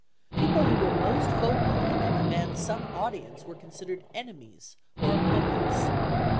"People who were most vocal and could command some audience were considered enemies or opponents."